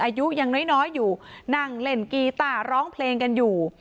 อายุยังน้อยอยู่นั่งเล่นกีต้าร้องเพลงกันอยู่